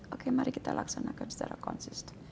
oke mari kita laksanakan secara konsisten